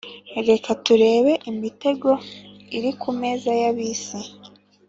Reka turebe imitego iri kumeza yabisi